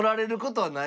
はい。